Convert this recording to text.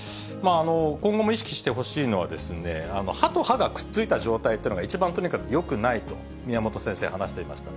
今後も意識してほしいのは、歯と歯がくっついた状態というのが一番とにかくよくないと、宮本先生話していました。